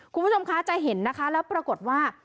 คุณผู้ชมคะจะเห็นนะคะแล้วปรากฏว่า